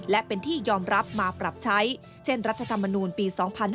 และเป็นที่ยอมรับมาปรับใช้เช่นรัฐธรรมนูลปี๒๕๕๙